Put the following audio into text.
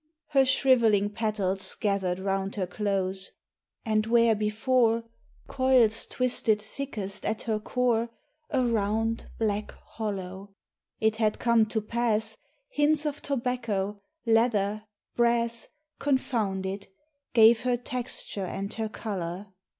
Her shrivelling petals gathered round her close, And where before, 8s Coils twisted thickest at her core A round, black hollow : it had come to pass Hints of tobacco, leather, brass, Confounded, gave her texture and her colour.